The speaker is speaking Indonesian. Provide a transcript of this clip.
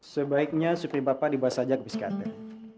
sebaiknya supir bapak dibawa saja ke biskadar